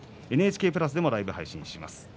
ＮＨＫプラスでもライブ配信します。